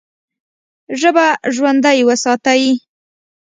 ژبه ژوندۍ وساتئ!